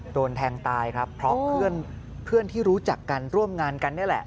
โดนแทงตายครับเพราะเพื่อนที่รู้จักกันร่วมงานกันนี่แหละ